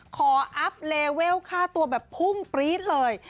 อัพเลเวลค่าตัวแบบพุ่งปรี๊ดเลย